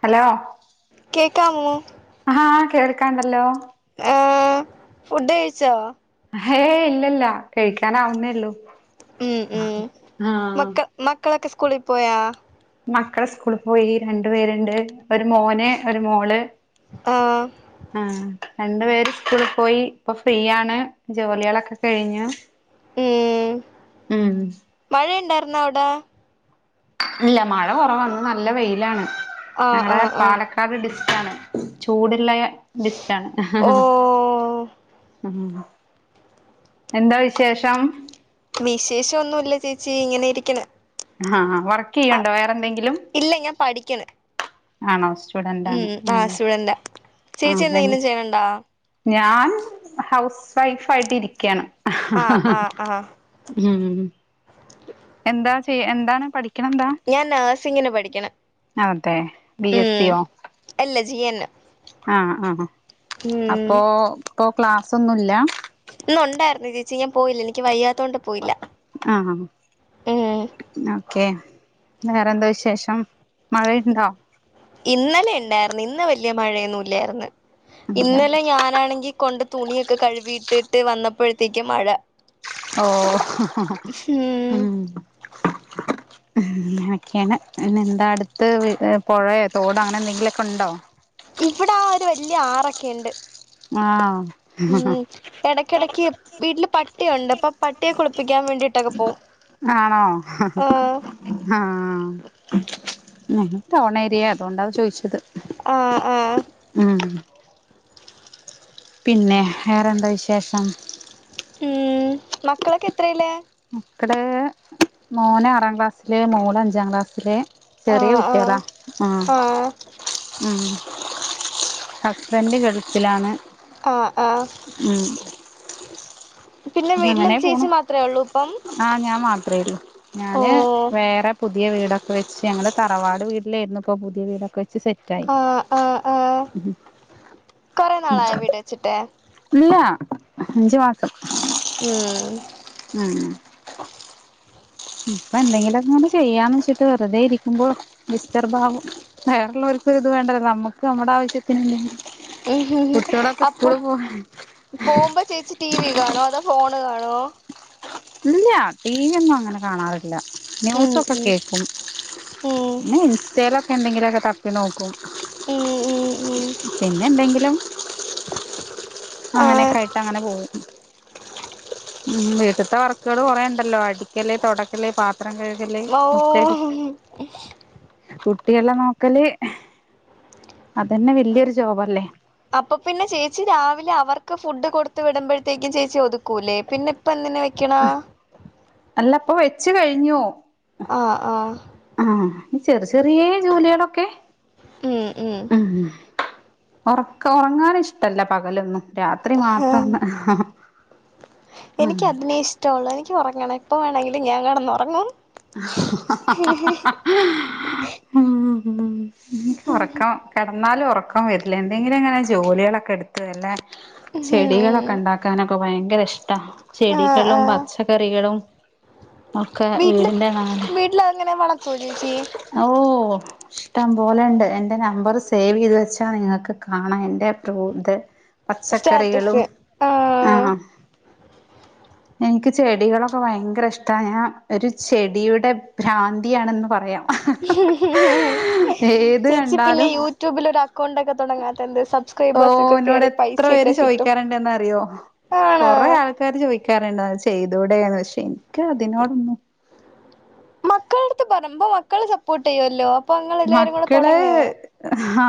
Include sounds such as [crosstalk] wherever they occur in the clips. Hello കേൾക്കാമോ ആഹാ കേൾക്കാണ്ടല്ലോ ആഹ് ഫുഡ് കഴിച്ചോ ഹേ ഇല്ല ഇല്ല കഴിക്കാൻ ആവുന്നേള്ളൂ ഉം ഉം മക്ക മക്കളൊക്കെ സ്കൂളിൽ പോയാ മക്കള് സ്കൂളിൽ പോയി രണ്ടു പേരുണ്ട് ഒരു മോന് ഒരു മോള് ആഹ് ആഹ് രണ്ടു പേര് സ്കൂളിൽ പോയി ഇപ്പൊ ഫ്രീയാണ് ജോലികളൊക്കെ കഴിഞ്ഞു [inaudible] ഉം മഴ ഉണ്ടായിരുന്നോ അവിടെ ഇല്ല മഴ കുറവാണ് നല്ല വെയിലാണ് ആഹ് ഞങ്ങളടെ ആഹ് ആഹ് പാലക്കാട് ഡിസ്റ്റ് ആണ് ചൂടുള്ള ഡിസ്റ്റാണ് ഓഹ് എന്താ വിശേഷം വിശേഷം ഒന്നുമില്ല ചേച്ചി ഇങ്ങനെ ഇരിക്ണ് ആഹ് വർക്ക് ചെയ്ണ്ടോ വേറെന്തെങ്കിലും ഇല്ല ഞാൻ പഠിക്കണ് ആണോ സ്റ്റുഡന്റ് ആണ് ഉം ആഹ് സ്റ്റുഡന്റാ ചേച്ചി ആഹ് ഞാൻ എന്തെങ്കിലും ചെയ്യണുണ്ടോ ഞാൻ ഹൗസ് വൈഫ് ആയിട്ട് ഇരിക്കയാണ് ആഹ് ആഹ് ആഹ് ഉം എന്താ ചെയ്യ എന്താണ് പഠി ഞാൻ നേഴ്സിങ്ങിന് പഠിക്കണ അതെ ബി എസ് ഉം സിയോ അല്ല ജീ എൻ എം ആഹ് ആഹ് അപ്പോ ഇപ്പോ ക്ലാസ് ഒന്നുമില്ല ഇന്ന് ഉണ്ടായിരുന്നു ചേച്ചി ഞാൻ പോയില്ല എനിക്ക് വയ്യാത്തതൊണ്ട് പോയില്ല ആഹ് ആഹ് ഉം ഓക്കെ വേറെന്താ വിശേഷം മഴയുണ്ടോ ഇന്നലെ ഉണ്ടായിരുന്നു ഇന്ന് വലിയ മഴയൊന്നും ഇല്ലായിരുന്നു ഇല്ല ഇന്നലെ ഞാനാണെങ്കി കൊണ്ട് തുണിയൊക്കെ കഴുകിയിട്ടിട്ട് വന്നപ്പോഴത്തേക്ക് മഴ ഓ ഉം [inaudible] ഇങ്ങനൊക്കെയാണ് പിന്ന എന്താ അടുത്ത് പൊഴയോ തോടോ അങ്ങന എന്തെങ്കിലൊക്കെ ഒണ്ടോ ഇവിടാ ആഹ് ഒരു വലിയ ആറൊക്കെ ഇണ്ട് ആഹ് എടക്കെടക്ക് വീട്ടില് പട്ടി ഒണ്ട് അപ്പൊ പട്ടിയെ കുളിപ്പിക്കാൻ വേണ്ടിയിട്ടൊക്കെ പോവും ആണോ ആഹ് ആഹ് ഇത് ടോണേരിയ അതുകൊണ്ടാ ചോദിച്ച് ത് ആഹ് ആഹ് ഉം പിന്നെ വേറെന്താ വിശേഷം ഉം മക്കളൊക്ക എത്രേലാ മക്കള് മോന് ആറാം ക്ലാസ്സില് മോള് അഞ്ചാം ക്ലാസ്സില് ചെറിയ ആഹ് കുട്ടികളാ ആഹ് ആഹ് ഉം ഹസ്ബന്റ് ഗൾഫിലാണ് ആഹ് ആഹ് ഉം പിന്ന വീട്ടില് അങ്ങനെ ചേച്ചി പോണു മാത്രേ ഒള്ളൂ ഇപ്പം ആഹ് ഞാൻ മാത്രേള്ളൂ ഓ ഞാന് വേറെ പുതിയ വീട വെച്ച് ഞങ്ങള് തറവാട് വീട്ടിലായിരുന്നു ഇപ്പൊ പുതിയ വീടൊക്കെ ച്ച് സെറ്റായി ആഹ് ആഹ് ആഹ് കൊറേ നാളായോ വീട് വെച്ചിട്ട് ഇല്ല അഞ്ച് മാ ഉം ഉം പ്പ എന്തെങ്കിലൊക്കങ്ങ്ട് ചെയ്യാന്ന് വെച്ചിട്ട് വെറുതെ ഇരിക്കുമ്പോ ഡിസ്റ്റർബാകും വേറൊള്ളോരുക്ക്‌ ഇത് വേണ്ടല്ല നമ്മു [unintelligible] നമ്മടാവശ്യത്തി [unintelligible] കുട്ട്യോളക്കസ്കൂള് പോവാ പോവുമ്പ ചേച്ചി ടി വി കാണോ അതോ ഫോണ് കാണോ ഇല്യ ടി വി ഒന്നും അങ്ങന കാണാറി ഇല്ല ഉം ന്യൂസൊക്കെ ഉം കേക്കും ഉം ന്നെ ഇൻസ്റ്റെലൊക്കെ എന്തെങ്കിലൊക്കെ തപ്പി നോക്കും ഉം ഉം ഉം [inaudible] പിന്നെന്തെങ്കിലും ആഹ് അങ്ങനേക്കായിട്ടങ്ങന പോകും ഉം വീട്ടിത്ത വർക്കുകള് കൊറേണ്ടല്ലോ അടിക്കല് തൊടക്കല് പാത്രം കഴുകല് ഓ [unintelligible] [unintelligible] കുട്ടികള നോക്കല് അതന്നെ വല്യൊരു ജോബല്ലേ അപ്പം പിന്നെ ചേച്ചി രാവിലെ അവർക്ക് ഫുഡ് കൊടുത്ത് വിടുമ്പഴത്തേക്കു ചേച്ചി ഒതുക്കൂലേ പിന്നെ ഇപ്പ എന്തിന് വെ [unintelligible] അല്ലപ്പൊ വെച്ച് കഴിഞ്ഞോ ആഹ് ആഹ് ആഹ് ചെറ് ചെറിയേ ജോലികളൊക്കെ ഉം ഒറക്കോം ഒറങ്ങാൻ ഇഷ്ടല്ല പകലൊന്നും രാത്രി മാത്രം [unintelligible] എനിക്ക് അങ്ങനെ അതിനേ ഇഷ്ടോള്ള് എനിക്ക് ഒറങ്ങണം എപ്പ വേണങ്കിലും ഞാൻ കെടന്ന് ഒറങ്ങും [unintelligible] ഉം ഒറക്കം കെടന്നാലും ഒറക്കം വെരില്ല എന്തെങ്കിലും ഇങ്ങനെ ജോലികളക്കെ എടുത്ത് [unintelligible] ഉം ചെടികളൊക്കെ ണ്ടാക്കാനൊക്ക ഭയങ്കര ഇഷ്ട ആഹ് ചെടികളും ആഹ് പച്ചക്കറികളും ഒക്കെ വീട്ടില് വീടിന്റെ നാല് വീട്ടില് അങ്ങനെ വളത്തുവോ ചേച്ചി ഓ ഇഷ്ടം പോലെണ്ട് എൻ്റെ നമ്പറ് സേവ് ചെയ്ത് വെച്ചാ നിങ്ങക്ക് കാണാം എൻ്റെ [unintelligible] പച്ചക്കറികളും സ്റ്റാറ്റസ് ആഹ് [unintelligible] എനിക്ക് ചെടികളൊക്ക ഭയങ്കര ഇഷ്ടാ ഞാൻ ഒരു ചെടിയുടെ ഭ്രാന്തിയാണെന്ന് പറയാം ഏത് ചേച്ചി പിന്നെ കണ്ടാലും യൂട്യൂബിലൊരു അക്കൗണ്ടൊക്കെ തൊടങ്ങാത്ത എന്ത് സബ് ഓ ന്നോട് എത്ര പേര് ചോയിക്കാറുണ്ടെന്ന് അറിയോ ആണ് കൊറേ ആൾ [unintelligible] ചോയിക്കാറുണ്ട് [unintelligible] ചെയ്തൂടെന്ന്പക്ഷെ എനിക്ക് [unintelligible] അതിനോടൊന്ന് മക്കളടുത്ത് പറയുമ്പോ മക്കള് സപ്പോട്ട് ചെയ്യുല്ലോ മക്കള് ഹാ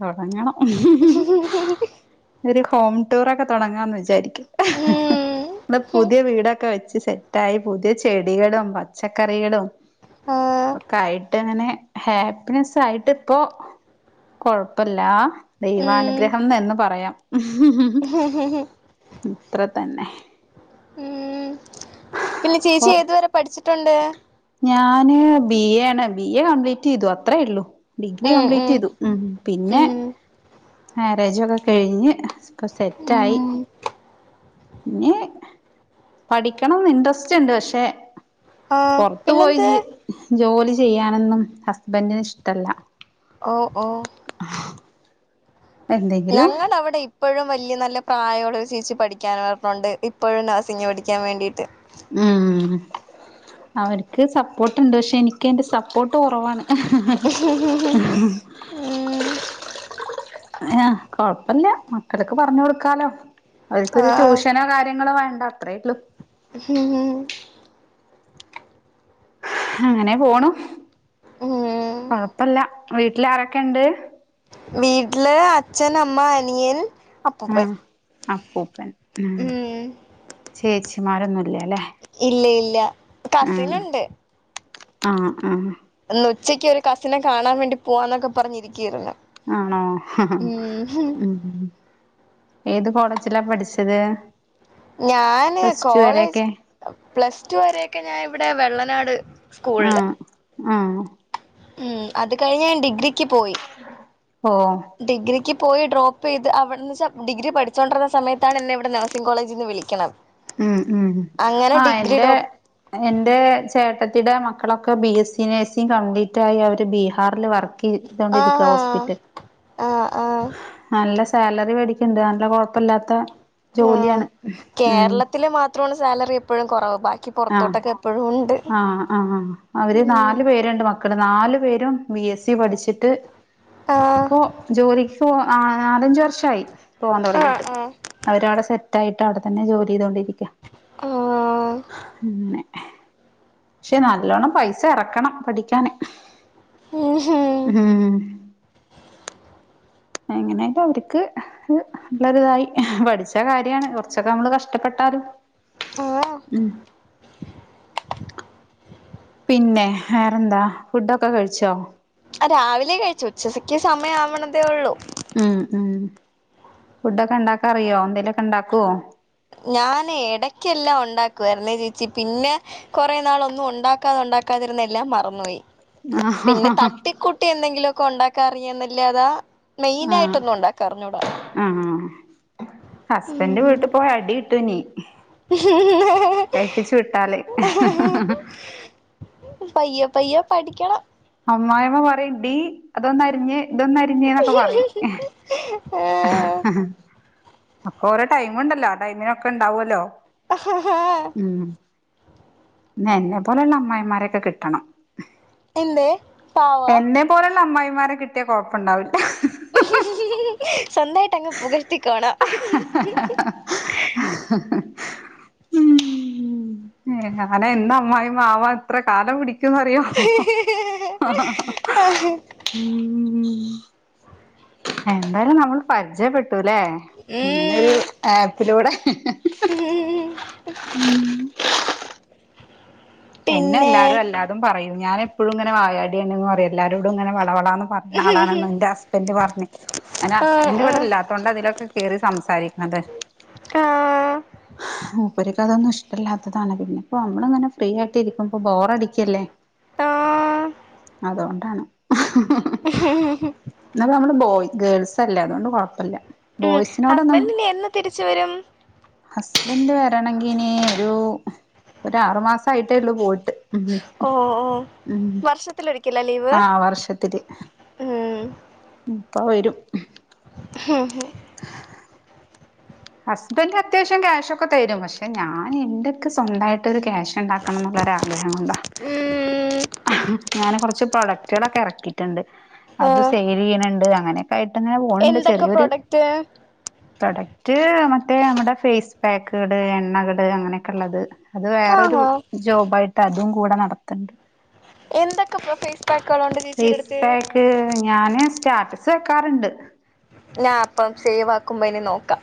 തൊടങ്ങണം [inaudible] ഒരു ഹോം ടൂറക്കെ തൊടങ്ങാന്ന് വിചാരിക്ക ഉം [unintelligible] പുതിയ വീടൊക്കെ വെച്ച് സെറ്റ് [unintelligible] പുതിയ ചെടികളും പച്ചക്കറികളും ഉം ക്കായിട്ട്ങ്ങനെ ഹാപ്പിനെസ് ആയിട്ട് ഇപ്പൊ കൊഴപ്പല്ലാ ഉം ദൈവാനുഗ്രഹം എന്ന് പറയാം [unintelligible] ഇത്ര തന്നെ ഉം പിന്നെ ചേച്ചി ഒർ ഏതുവരെ പഠിച്ചിട്ടൊണ്ട് ഞാന് ബി എ ആണ് ബി എ കംപ്ലീറ്റ് ചെയ്തു അത്രേ ഉള്ളു ഡിഗ്രി കംപ്ലീറ്റ് ചെയ്തു ഉം പിന്നെ ഉം മാരേജൊക്കെ കഴിഞ്ഞ് ഒക്ക സെറ്റായി ഉം [unintelligible] പഠിക്കണംന്ന് ഇൻട്രസ്റ് ഇണ്ട് പക്ഷെ ആഹ് പൊറത്ത് പോയി പിന്നെന്ത് [unintelligible] ജോലി ചെയ്യാനൊന്നും ഹസ്ബൻഡിന് ഇഷ്ടല്ല ഓഹ് ഓഹ് എന്തെങ്കിലും ഞങ്ങടഅവിടെ [unintelligible] ഇപ്പഴും വല്യ നല്ല പ്രായൊള്ള ഒരു ചേച്ചി പഠിക്കാൻ [unintelligible] ഇപ്പഴും നഴ്സിംഗ് പഠിക്കാൻ വേണ്ടിയിട്ട് ആഹ് അവര്ക്ക് സപ്പോർട്ട്ണ്ട് പക്ഷെ എനിക്ക് എന്റെ സപ്പോർട്ട് കൊറവാണ് [unintelligible] ഉം ആഹ് കൊഴപ്പില്ല മക്കള്ക്ക് പറഞ് കൊടുക്കാലോ അവാക്കൊരു ആഹ് ട്യൂഷനോ കാര്യങ്ങളോ വേണ്ട അത്രേ ള്ളു അങ്ങനെ പോണു ഉം കൊഴപ്പല്ല വീട്ടിൽ ആരൊക്കെ ണ്ട് വീട്ടില് അച്ഛൻ അമ്മ അനിയൻ അ ആഹ് അപ്പൂപ്പൻ ആ ഉം ചേച്ചിമാരൊന്നുല്ല ല്ലേ ഇല്ല ഇല്ല ആഹ് കസിനുണ്ട് ആഹ് ആഹ് ഇന്ന് ഉച്ചക്ക് ഒരു കസിനെ കാണാൻ വേണ്ടി പോവാന്നൊക്കെ പറഞ്ഞിരിക്കരുന്നു ആണോ ഉം ഏത് കോളേജിലാ പഠിച്ചത് ഞാന് പ്ലസ് ടു കോളേജ് വരെയൊക്കെ പ്ലസ് ടു വരെയൊക്കെ ഞാൻ ഇവിടെ വെള്ളനാട് സ്കൂ ള്ള് ആഹ് ആഹ് ഉം അത് കഴിഞ്ഞ് ഞാൻ ഡിഗ്രിക്ക് പോയി ഹോ ഡിഗ്രിക്ക് പോയി ഡ്രോപ്പ് ചെയ്ത് അവിടെന്ന് സാ ഡിഗ്രി പഠിച്ചുകൊണ്ടിർന്ന സമയത്താണ് എന്നെ ഇവിടെ നഴ്സിംഗ് കോളേജിൽ നിന്ന് വിളിക്കണത് ഉം ഉം അങ്ങനെ ആഹ് ഡിഗ്രി എന്റെ ഡോ എന്റെ ചേട്ടത്തിടെ മക്കളൊക്കെ ബി എസി നഴ്സിംഗ് കംപ്ലീറ്റ് ആയി അവര് ബീഹാറിൽ വർക്ക് യ് തോണ്ടിരിക്ക ആഹാ ഹോസ്പിറ്റൽ ആഹ് ആഹ് നല്ല സാലറി മേടിക്ക്ണ്ട് നല്ല കൊഴപ്പല്ലാത്ത ആഹ് ജോലിയാണ് ഉം കേരളത്തില് മാത്രമാണ് സാലറി എപ്പോഴും കുറവ് ബാക്കി ആഹ് പുറത്തോട്ടൊക്കെ എപ്പോഴും ഉണ്ട് ആഹ് ആഹ് ആഹ് അവര് ഉം നാലു പേരുണ്ട് മക്കള് നാലു പേരും ബി എസ് സി പഠിച്ചിട്ട് ആഹ് ഇപോ ജോലിക്ക് പോ നാലഞ്ച് വർഷയി പോവാൻ ആഹ് തുടങ്ങിട്ട് ആഹ് അവര് അവിടെ സെറ്റായിട്ട് അവിടെ തന്നെ ജോലി ചെയ്തുകൊണ്ടിരിക്ക ആഹ് അങ്ങനെ പക്ഷെ നല്ലോണ്ണം പൈസ ഇറക്കണം പഠിക്കാന് ഉം ഹും ഉം എങ്ങനൊക്ക അവര്ക്ക് ക്ക് നല്ലൊരിതായി പഠിച്ച കാര്യാണ് കുറച്ചൊക്കെ നമ്മള് കഷ്ടപ്പെട്ടാലും ആ ആഹ് ഉം പിന്നെ വേറെന്താ ഫുഡൊക്കെ കഴിച്ചോ ആഹ് രാവിലെ കഴിച്ചു ഉച്ചസക്ക് സമയം ആവണതേ ഉള്ളൂ ഉം ഉം ഫുഡൊക്കെ ഉണ്ടാകാൻഅറിയോ എന്തേലുക്കെ ഉണ്ടാകോ ഞാൻ ഇടക്കെല്ലാം ഉണ്ടാക്കു രുന്ന ചേച്ചി പിന്നെ കുറെേ നാള ഒന്നും ഉണ്ടാക്കാതെ ഉണ്ടാക്കാതിരുന്ന എല്ലാം മറന്നുപോയി പിന്നെ തട്ടിക്കുട്ടി എന്തെങ്കിലുമൊക്കെ ഉണ്ടാക്കാ അറിയ എന്നല്ലാതാ ആഹ് മെയിനായിട്ടൊന്നും ഉണ്ടാക്കറിഞ്ഞൂടാ ആഹ് ഹസ്ബൻ ന്റ് വീട്ട് പോയ അടി കിട്ടു നീ ഉ പയ്യ പയ്യ പഠിക്കണം അമ്മായിമ്മ പറയും ടീ അതൊന്ന് അരിഞ്ഞേ ഇതൊന്ന് അരിഞ്ഞേ ന്നൊക്കെ പറയും ഒക്കെ ഓരോടൈ മ്ണ്ടല്ലോ ടൈമിനൊക്കെ ഉണ്ടാവൊല്ലോ ആഹ് ഹാ ഉം എന്നെ പോലെയുള്ള അമ്മായിമാരൊക്കെ കിട്ടണം എന്തെ എന്നെ പോലുള്ള അമ്മായിമാരെ കിട്ടിയ കുഴപ്പം ഉണ്ടാവില്ല സ്വന്തം ആയിട്ട് അങ് പുകഴ്ത്തിക്കോണം ഉം ഉം ഞൻ എന്ന് അമ്മായിയമ്മ ആവാൻ ഇത്ര കാലം പിടിക്ക റിയോ ഉം എന്തായാലും നമ്മള് പരിചയപ്പെട്ടുല്ലേ ഇങ്ങനെരു ഉം ആപ്പിലൂടെ ഉം ഉം എന്നെ പിന്നെ എല്ലാരും അല്ലാതും പറയും ഞാന എപ്പോഴും ഇങ്ങനെ വായാടിയാണ് പറയും എല്ലാരോട ഇങ്ങനെ വളവള പറഞ്ഞ ആളാണ എന്റെ ഹസ്ബൻഡറ് പറഞ്ഞ് ആഹ് ഹസ്ബൻന്റ് ആഹ് ഇവിടല്ലാതുകൊണ്ട് അതിലൊക്കെ കയറി സംസാരിക്കുന്നത് ആഹ് മൂപ്പർക്ക് അതൊന്നും ഇഷ്ടമല്ലാത്തതാണ് പിന്നെ ഇപ്പോ നമ്മളിങ്ങനെ ഫ്രീ ആയിട്ട് ഇരിക്പോ ബോറടിക്കല്ലേ ആഹ് അതുകൊണ്ടാണ് [inaudible] എന്ന നമ്മള് ബോയ് ഗേൾസ്ല്ലേ അതുകൊണ്ട് കൊഴപ്പില്ല ഉം ഹുസ്ബൻഡ് ഇനി എന്ന് തിരിച്ച വരും ഹുസ്ബൻഡ് വരണമെങ്കി ഇനി ഒരു ഒരു ആറു മാസയിട്ടേ ഉള്ളൂ പോയിട്ട ഓ ഓ വർഷ വർഷത്തിൽ ഒരിക്കലാ ലീവ് ആ ഉം ഇപ്പ വരും [unintelligible] [inaudible] ഹസ്ബൻഡ് അത്യാവശ്യം ക്യാഷ് ഒക്കെ തരും പക്ഷെ ഞാൻ എന്റെക്കെ സ്വന്തമായിട്ട് ഒരു ക്യാഷ് ഉണ്ടാക്കണം എന്നുള്ള ഒരു അഗ്രഹം കൊണ്ട ഉം ഞൻ കുറച്ച് പ്രോഡക്റ്റുകളൊക്കെ ഇറക്കിയിട്ടുണ്ട് ആ അത് സെൽ ചെയ്യണണ്ട് അങ്ങനെ ആയിട്ട് ഇങ്ങനെ പോണണ്ട് എന്തൊക്കെ ചെറിയരു പ്രോഡക്റ്റ് പ്രൊഡക്റ്റ് പറഞ്ഞിട്ട് നമ്മടെ ഫേസ് പാക്കുകട് എണ്ണകള് അങ്ങനെയൊക്കെ ഉള്ളത് അത് വേറൊരു ആണോ ജോബായിട്ട് അതും കൂടെ നടത്തണ്ട് എന്തൊക്കെ ഫേസ് പാക്കുകളുണ്ട് ചേച്ചീടെ അടുത്ത്? മം. ഞാന് സ്റ്റാറ്റസ് വെക്കാറുണ്ട് ഞാൻ അപ്പം സേവ് ആക്കുമ്പോ ഇനി നോക്കാം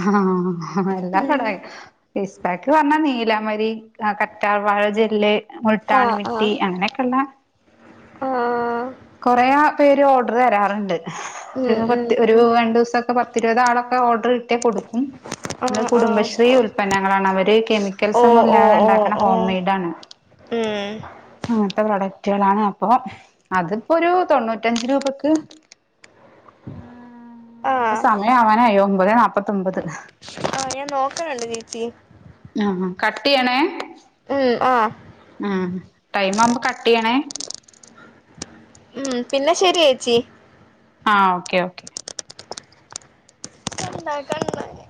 ആഹ് എല്ലാം ഉം കടായി ഫേസ്പാക്ക് പറഞ്ഞാ, നീലാമ്പരി, കറ്റാർവാഴ ജെല്ല്. മുൾട്ടാനി മില്ടി അങ്ങനെയൊക്കെയുള്ള ആഹ്. കൊറേ പേര് ഓർഡർ തരാറുണ്ട് ഉം ഒരു പ ഉം ഒരു ഉം രണ്ടു ദിവസൊക്കെ പത്തിരുപത് ആളൊക്കെ ഓർഡർ കിട്ടിയാ കൊടുക്കും ആ നമ്മള് ആ കുടുംബശ്രീ ഉൽപന്നങ്ങളാണ്, അവര് ഓ കെമിക്കൽസൊന്നും ഓ ഇല്ലാതെ ഓ ഉണ്ടാക്കണ ഓ ഹോം മെയ്ഡ് ആണ് ഉം. അങ്ങനത്തെ പ്രൊഡക്റ്റുകളാണ് അപ്പൊ അത് ഒരു തൊണ്ണൂറ്റഞ്ച് രൂപക്ക് ആഹ് ആ നമ്മടെ സമയം അവനായി ഒമ്പത് നാല്പാത്തി ഒമ്പത് ആഹ് ഞാൻ നോക്കണുണ്ട് ചേച്ചി. ആഹ് ആഹ് കട്ടിയ്യണേ. ഉം ആഹ് ഉം ടൈം ആവുമ്പോ കട്ട്‌ ചെയ്യണേ. ഉം പിന്നെ ശെരി ചേച്ചി ആഹ് ഓക്കേ ഓക്കെ കണ്ടാ കൺ